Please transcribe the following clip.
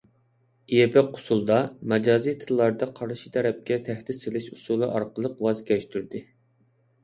يېپىق ئۇسۇلدا، مەجازىي تىللاردا قارشى تەرەپكە تەھدىت سېلىش ئۇسۇلى ئارقىلىق ۋاز كەچتۈردى.